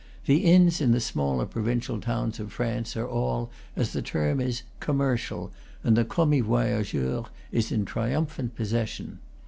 The inns in the smaller provincial towns in France are all, as the term is, commercial, and the commis voyageur is in triumphant possession.